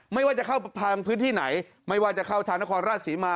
ไม่ว่าจะเข้าทางพื้นที่ไหนไม่ว่าจะเข้าทางนครราชศรีมา